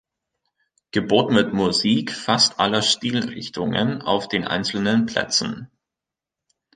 Geboten wird Musik fast aller Stilrichtungen auf den einzelnen Plätzen.